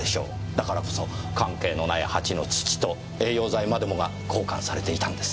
だからこそ関係のない鉢の土と栄養剤までもが交換されていたんです。